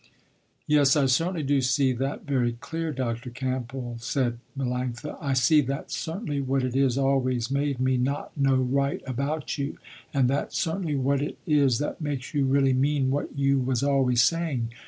"Yes I certainly do see that very clear Dr. Campbell," said Melanctha, "I see that's certainly what it is always made me not know right about you and that's certainly what it is that makes you really mean what you was always saying.